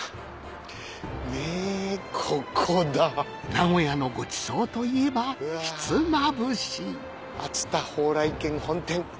名古屋のごちそうといえばひつまぶし「あつた蓬莱軒本店」。